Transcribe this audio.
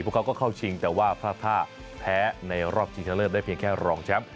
พวกเขาก็เข้าชิงแต่ว่าพลาดท่าแพ้ในรอบชิงชะเลิศได้เพียงแค่รองแชมป์